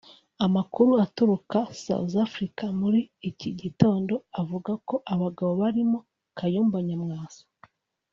Amakuru aturuka South Africa muri iki gitondo avuga ko abagabo barimo Kayumba Nyamwasa